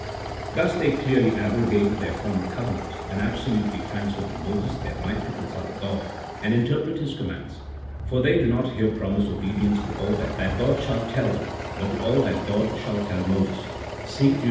They thus clearly abrogated their former covenant, and absolutely transferred to Moses their right to consult God and interpret His commands : for they do not here promise obedience to all that God shall tell them, but to all that God shall tell Moses (see Deut.